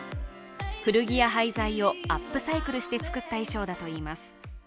古着や廃材をアップサイクルして作った衣装だといいます。